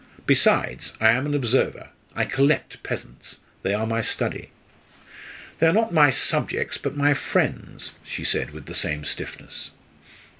Besides, I am an observer. I 'collect' peasants. They are my study." "They are not my subjects, but my friends," she said with the same stiffness.